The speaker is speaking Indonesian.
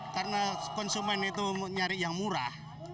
karena konsumen itu nyari yang murah